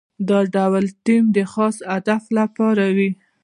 دا ډول ټیم د خاص هدف لپاره وي.